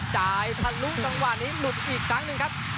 จ่ายทะลุจังหวะนี้หลุดอีกครั้งหนึ่งครับ